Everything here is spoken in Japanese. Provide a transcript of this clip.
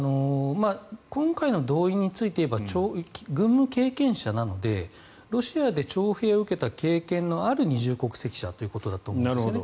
今回の動員についていえば軍務経験者なのでロシアで徴兵を受けた経験のある二重国籍者ということだと思うんですよね。